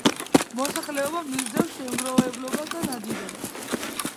მოსახლეობა მისდევს შემგროვებლობას და ნადირობას.